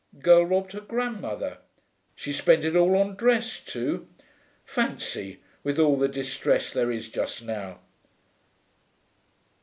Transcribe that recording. Girl robbed her grandmother; she spent it all on dress, too. Fancy, with all the distress there is just now.